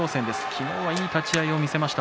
昨日はいい立ち合いを見せました